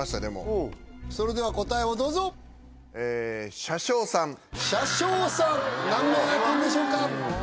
うんそれでは答えをどうぞええ車掌さん車掌さん何面あくんでしょうか？